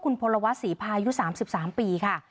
คุณพลวัสสีพายุสามสิบสามปีค่ะ